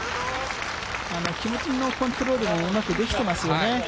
気持ちのコントロールもうまくできてますよね。